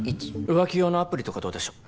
浮気用のアプリとかどうでしょう？